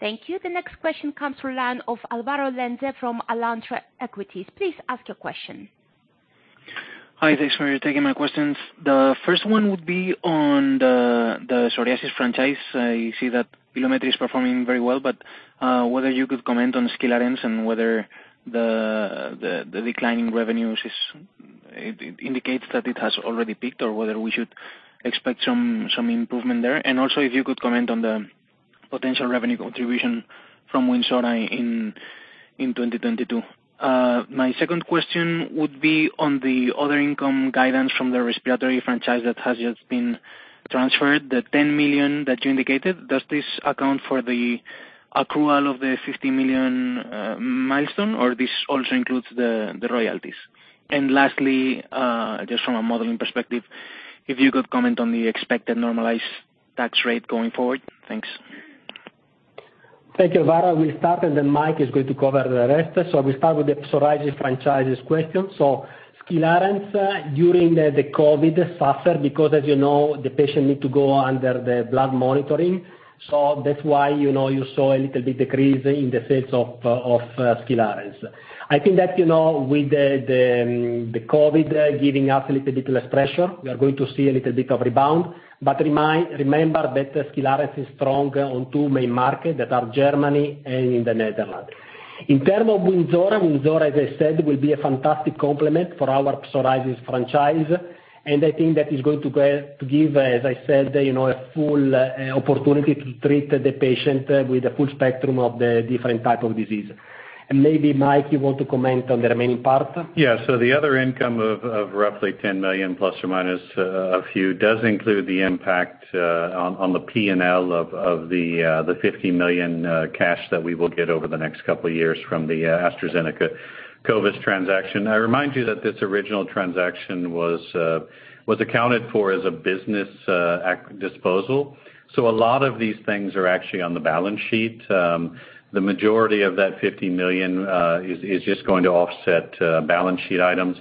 Thank you. The next question comes from the line of Álvaro Lenze from Alantra Equities. Please ask your question. Hi, thanks for taking my questions. The first one would be on the psoriasis franchise. I see that Ilumetri is performing very well, but whether you could comment on Skilarence and whether the declining revenues indicates that it has already peaked or whether we should expect some improvement there. Also if you could comment on the potential revenue contribution from Wynzora in 2022. My second question would be on the other income guidance from the respiratory franchise that has just been transferred, the 10 million that you indicated. Does this account for the accrual of the 50 million milestone or this also includes the royalties? Lastly, just from a modeling perspective, if you could comment on the expected normalized tax rate going forward. Thanks. Thank you, Álvaro. We start and then Mike is going to cover the rest. We start with the psoriasis franchises question. Skilarence during the COVID suffered because as you know, the patient need to go under the blood monitoring. That's why, you know, you saw a little bit decrease in the sales of Skilarence. I think that, you know, with the COVID giving us a little bit less pressure, we are going to see a little bit of rebound. Remember that Skilarence is strong on two main markets that are Germany and in the Netherlands. In term of Wynzora, as I said, will be a fantastic complement for our psoriasis franchise. I think that is to give, as I said, you know, a full opportunity to treat the patient with a full spectrum of the different type of disease. Maybe Mike, you want to comment on the remaining part? Yeah. The other income of roughly 10 million plus or minus a few does include the impact on the P&L of the 50 million cash that we will get over the next couple of years from the AstraZeneca Covis transaction. I remind you that this original transaction was accounted for as a business disposal. A lot of these things are actually on the balance sheet. The majority of that 50 million is just going to offset balance sheet items.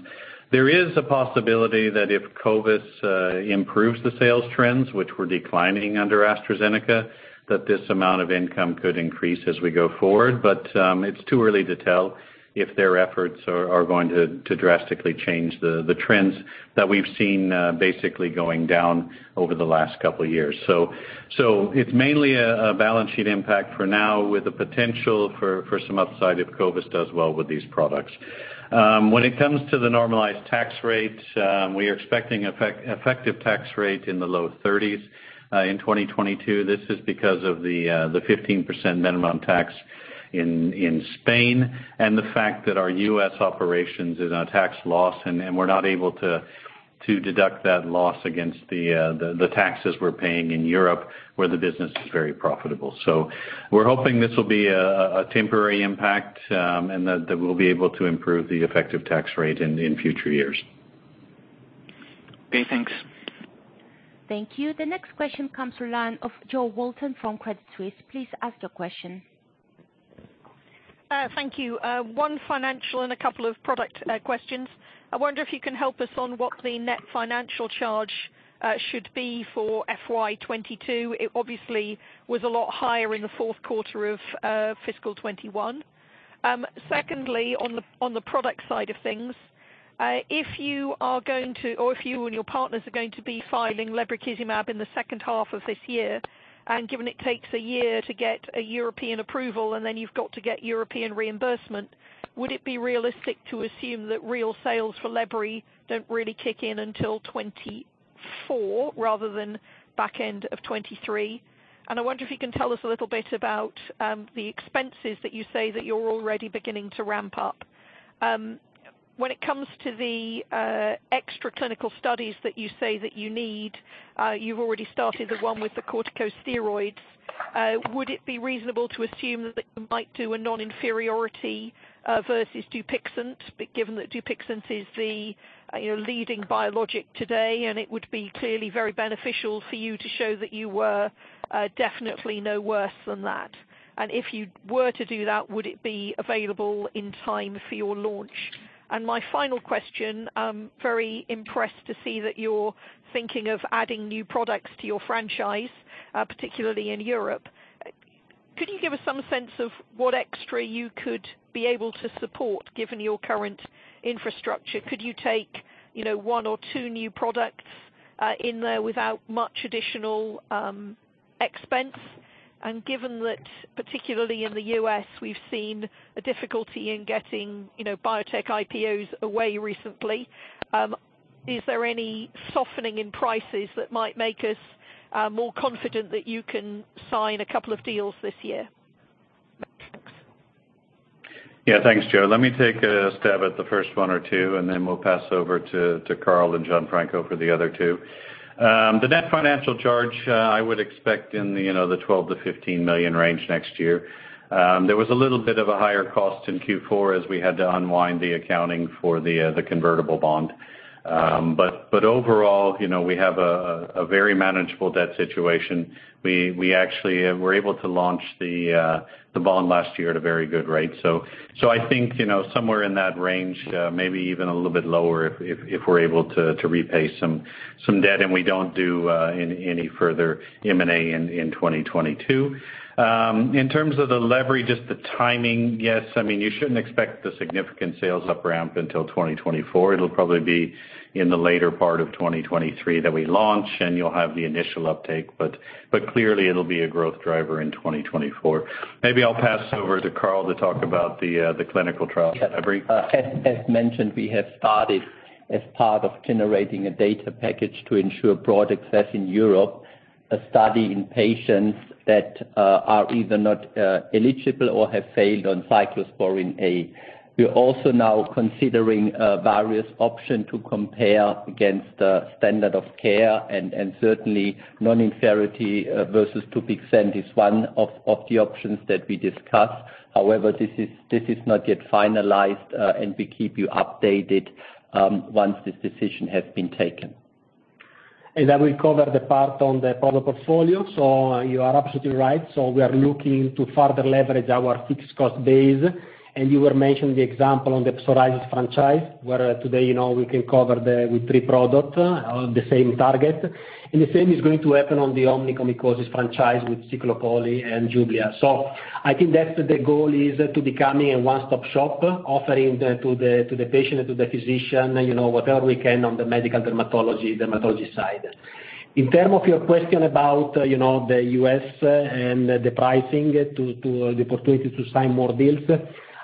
There is a possibility that if Covis improves the sales trends, which were declining under AstraZeneca, that this amount of income could increase as we go forward. It's too early to tell if their efforts are going to drastically change the trends that we've seen basically going down over the last couple of years. It's mainly a balance sheet impact for now with the potential for some upside if Covis does well with these products. When it comes to the normalized tax rate, we are expecting effective tax rate in the low 30s% in 2022. This is because of the 15% minimum tax in Spain, and the fact that our U.S. operations is on a tax loss, and we're not able to deduct that loss against the taxes we're paying in Europe, where the business is very profitable. We're hoping this will be a temporary impact, and that we'll be able to improve the effective tax rate in future years. Okay, thanks. Thank you. The next question comes from the line of Jo Walton from Credit Suisse. Please ask your question. Thank you. One financial and a couple of product questions. I wonder if you can help us on what the net financial charge should be for FY 2022. It obviously was a lot higher in the fourth quarter of fiscal 2021. Secondly, on the product side of things, if you are going to, or if you and your partners are going to be filing lebrikizumab in the second half of this year, and given it takes a year to get a European approval, and then you've got to get European reimbursement, would it be realistic to assume that real sales for Lebri don't really kick in until 2024 rather than back end of 2023? I wonder if you can tell us a little bit about the expenses that you say that you're already beginning to ramp up. When it comes to the extra clinical studies that you say that you need, you've already started the one with the corticosteroids. Would it be reasonable to assume that you might do a non-inferiority versus Dupixent? Given that Dupixent is the, you know, leading biologic today, and it would be clearly very beneficial for you to show that you were definitely no worse than that. If you were to do that, would it be available in time for your launch? My final question, I'm very impressed to see that you're thinking of adding new products to your franchise, particularly in Europe. Could you give us some sense of what extra you could be able to support given your current infrastructure? Could you take, you know, one or two new products in there without much additional expense? Given that, particularly in the U.S., we've seen a difficulty in getting, you know, biotech IPOs away recently, is there any softening in prices that might make us more confident that you can sign a couple of deals this year? Thanks. Yeah. Thanks, Jo. Let me take a stab at the first one or two, and then we'll pass over to Karl and Gianfranco for the other two. The net financial charge, I would expect in the, you know, the 12-15 million range next year. There was a little bit of a higher cost in Q4 as we had to unwind the accounting for the convertible bond. But overall, you know, we have a very manageable debt situation. We actually were able to launch the bond last year at a very good rate. I think, you know, somewhere in that range, maybe even a little bit lower if we're able to repay some debt and we don't do any further M&A in 2022. In terms of the Lebri, just the timing, yes. I mean, you shouldn't expect the significant sales up-ramp until 2024. It'll probably be in the later part of 2023 that we launch, and you'll have the initial uptake. But clearly it'll be a growth driver in 2024. Maybe I'll pass over to Karl to talk about the clinical trial for Lebri. Yeah. As mentioned, we have started As part of generating a data package to ensure broad access in Europe, a study in patients that are either not eligible or have failed on cyclosporine A. We are also now considering various options to compare against the standard of care and certainly non-inferiority versus Dupixent is one of the options that we discussed. However, this is not yet finalized and we keep you updated once this decision has been taken. I will cover the part on the product portfolio. You are absolutely right. We are looking to further leverage our fixed cost base. You were mentioning the example on the psoriasis franchise, where today, you know, we can cover the with three product on the same target. The same is going to happen on the onychomycosis franchise with Ciclopoli and Jublia. I think that's the goal is to becoming a one-stop shop, offering the to the patient and to the physician, you know, whatever we can on the medical dermatology side. In terms of your question about, you know, the US and the pricing to the opportunity to sign more deals,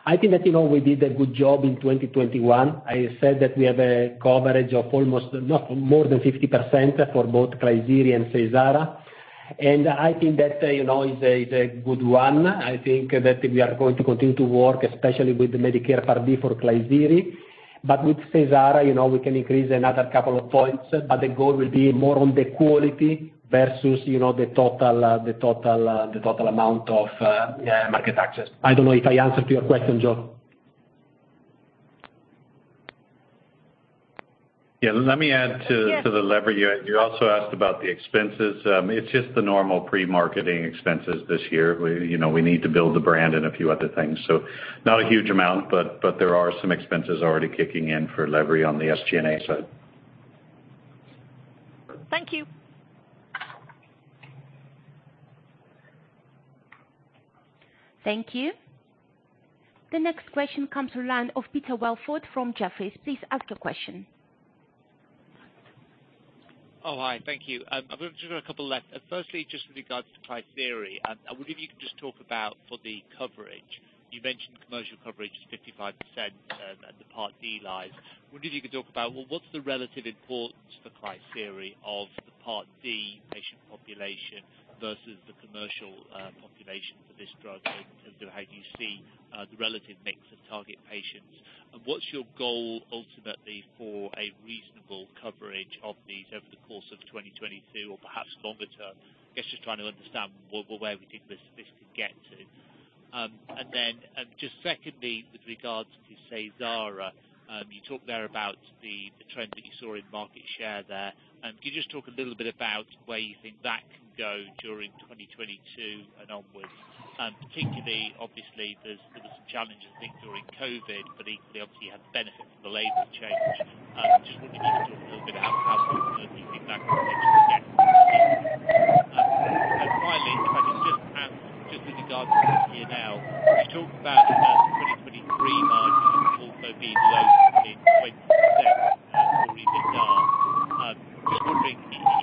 I think that, you know, we did a good job in 2021. I said that we have a coverage of almost not more than 50% for both Klisyri and Seysara. I think that, you know, is a good one. I think that we are going to continue to work, especially with the Medicare Part D for Klisyri. With Seysara, you know, we can increase another couple of points, but the goal will be more on the quality versus, you know, the total amount of market access. I don't know if I answered your question, Jo. Yeah. Let me add to the Lebri. You also asked about the expenses. It's just the normal pre-marketing expenses this year. You know, we need to build the brand and a few other things. Not a huge amount, but there are some expenses already kicking in for levering on the SG&A side. Thank you. Thank you. The next question comes from the line of Peter Welford from Jefferies. Please ask your question. Oh, hi. Thank you. I've got just a couple left. Firstly, just with regards to Klisyri, I wonder if you can just talk about for the coverage. You mentioned commercial coverage is 55%, and the Part D lines. Wonder if you could talk about, well, what's the relative importance for Klisyri of the Part D patient population versus the commercial population for this drug in terms of how you see the relative mix of target patients. And what's your goal ultimately for a reasonable coverage of these over the course of 2022 or perhaps longer term? I guess just trying to understand where we think this could get to. And then, just secondly, with regards to Seysara, you talked there about the trend that you saw in market share there. Could you just talk a little bit about where you think that can go during 2022 and onwards? Particularly, obviously, there was some challenges I think during COVID, but equally, obviously you had benefits from the label change. Just wondering if you could talk a little bit about how confident you think that trend could get. And finally, I mean, just with regards to this year now, you talked about the 2023 margins also being below 26% for EBITDA. Just wondering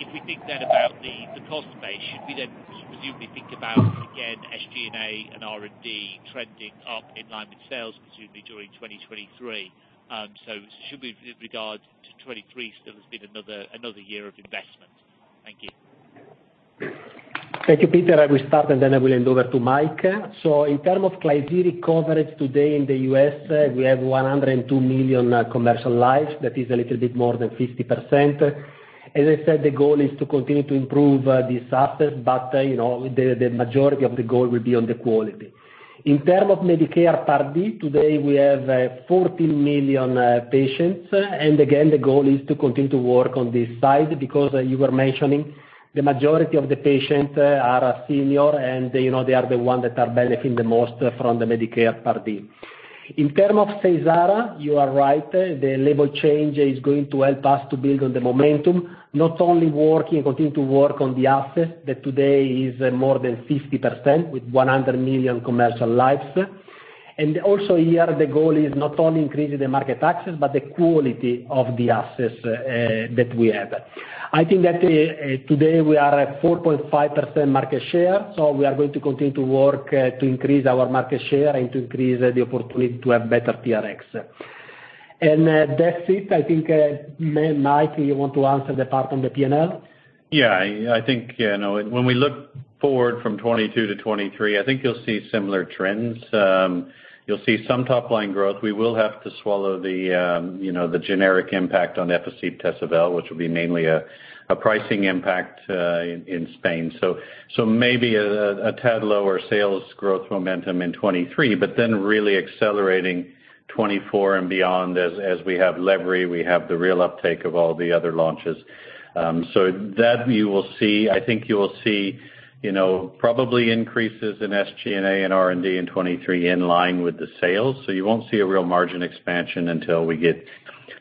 if we think then about the cost base, should we then presumably think about, again, SG&A and R&D trending up in line with sales presumably during 2023? Should we with regard to 2023 still has been another year of investment. Thank you. Thank you, Peter. I will start, and then I will hand over to Mike. In terms of Klisyri coverage today in the U.S., we have 102 million commercial lives. That is a little bit more than 50%. As I said, the goal is to continue to improve these assets, but, you know, the majority of the goal will be on the quality. In terms of Medicare Part D, today we have 14 million patients. Again, the goal is to continue to work on this side because you were mentioning the majority of the patients are senior and, you know, they are the ones that are benefiting the most from the Medicare Part D. In terms of Seysara, you are right. The label change is going to help us to build on the momentum, not only working, continue to work on the assets that today is more than 50% with 100 million commercial lives. Also here, the goal is not only increasing the market access, but the quality of the assets that we have. I think that today we are at 4.5% market share, so we are going to continue to work to increase our market share and to increase the opportunity to have better TRx. That's it. I think maybe Mike, you want to answer the part on the P&L? Yeah, I think you know when we look forward from 2022 to 2023, I think you'll see similar trends. You'll see some top line growth. We will have to swallow you know the generic impact on Efficib/Tesavel, which will be mainly a pricing impact in Spain. Maybe a tad lower sales growth momentum in 2023, but then really accelerating 2024 and beyond as we have the real uptake of all the other launches. So that you will see. I think you will see you know probably increases in SG&A and R&D in 2023 in line with the sales. You won't see a real margin expansion until we get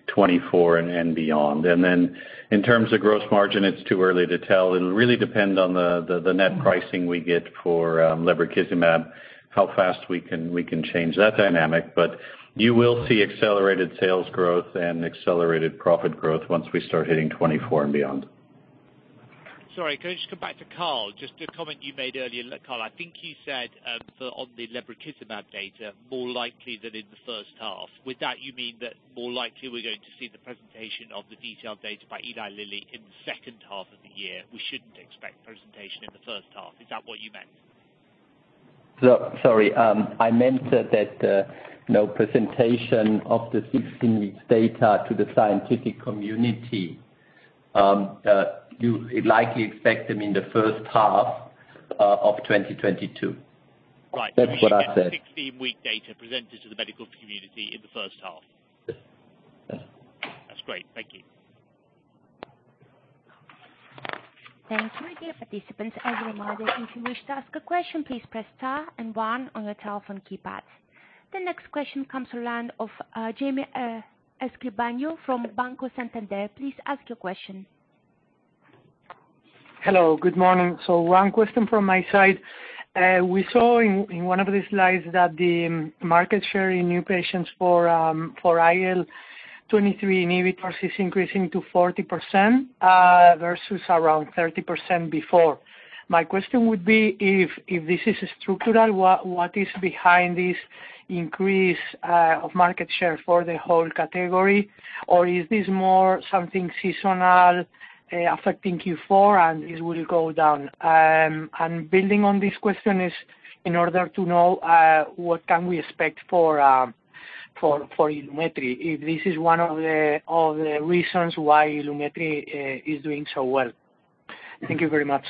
2024 and beyond. Then in terms of gross margin, it's too early to tell. It'll really depend on the net pricing we get for lebrikizumab, how fast we can change that dynamic. You will see accelerated sales growth and accelerated profit growth once we start hitting 2024 and beyond. Sorry, can I just come back to Karl, just a comment you made earlier. Karl, I think you said for the lebrikizumab data more likely than in the first half. With that, you mean that more likely we're going to see the presentation of the detailed data by Eli Lilly in the second half of the year, we shouldn't expect presentation in the first half. Is that what you meant? Sorry. I meant that, you know, presentation of the 16 weeks data to the scientific community you likely expect them in the first half of 2022. Right. That's what I said. We get the 16-week data presented to the medical community in the first half. Yeah. That's great. Thank you. Thank you. Dear participants, as a reminder, if you wish to ask a question, please press Star and One on your telephone keypad. The next question comes from the line of Jaime Escribano from Banco Santander. Please ask your question. Hello, good morning. One question from my side. We saw in one of the slides that the market share in new patients for IL-23 inhibitors is increasing to 40%, versus around 30% before. My question would be if this is structural, what is behind this increase of market share for the whole category, or is this more something seasonal, affecting Q4 and it will go down? Building on this question, in order to know what can we expect for Ilumetri, if this is one of the reasons why Ilumetri is doing so well. Thank you very much.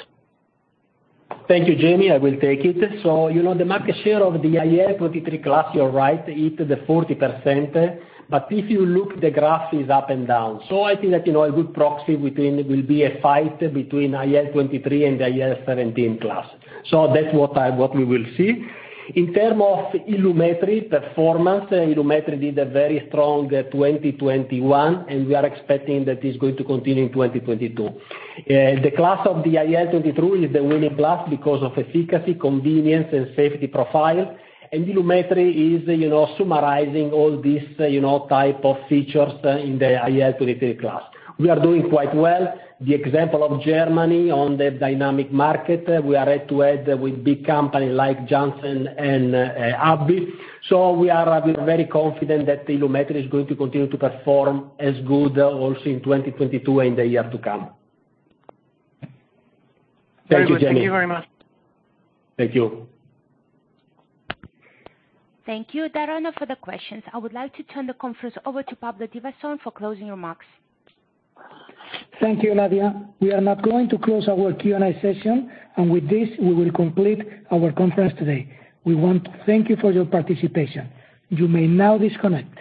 Thank you, Jamie. I will take it. You know, the market share of the IL-23 class, you're right, it's the 40%. If you look the graph is up and down. I think that, you know, a good proxy between will be a fight between IL-23 and IL-17 class. That's what we will see. In terms of Ilumetri performance, Ilumetri did a very strong 2021, and we are expecting that it's going to continue in 2022. The class of the IL-23 is the winning class because of efficacy, convenience and safety profile. Ilumetri is, you know, summarizing all these, you know, type of features in the IL-23 class. We are doing quite well. The example of Germany on the dynamic market, we are head-to-head with big company like Johnson and Abbott. We're very confident that Ilumetri is going to continue to perform as good also in 2022 and the year to come. Thank you, Jamie. Thank you very much. Thank you. Thank you. That's all for the questions. I would like to turn the conference over to Pablo Divasson for closing remarks. Thank you, Nadia. We are now going to close our Q&A session, and with this we will complete our conference today. We want to thank you for your participation. You may now disconnect.